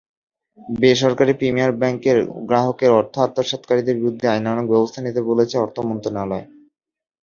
বেসরকারি প্রিমিয়ার ব্যাংকের গ্রাহকের অর্থ আত্মসাৎকারীদের বিরুদ্ধে আইনানুগ ব্যবস্থা নিতে বলেছে অর্থ মন্ত্রণালয়।